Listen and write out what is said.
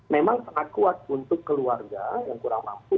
memang sangat kuat untuk keluarga yang kurang mampu